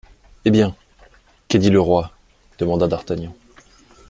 Eh bien ! qu'a dit le roi ? demanda d'Artagnan.